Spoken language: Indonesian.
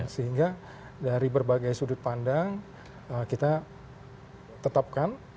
sehingga dari berbagai sudut pandang kita tetapkan